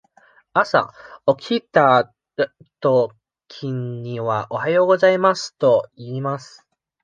朝起きたときには「おはようございます」と言います。